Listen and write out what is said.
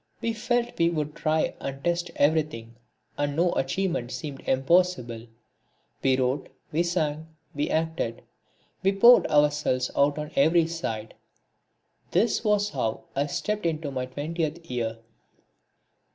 We felt we would try and test everything, and no achievement seemed impossible. We wrote, we sang, we acted, we poured ourselves out on every side. This was how I stepped into my twentieth year.